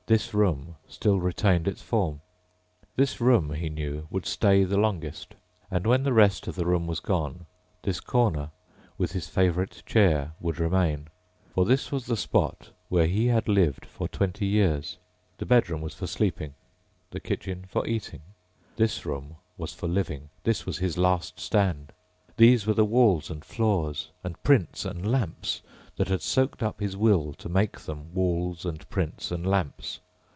This room still retained its form. This room, he knew, would stay the longest. And when the rest of the room was gone, this corner with his favorite chair would remain. For this was the spot where he had lived for twenty years. The bedroom was for sleeping, the kitchen for eating. This room was for living. This was his last stand. These were the walls and floors and prints and lamps that had soaked up his will to make them walls and prints and lamps.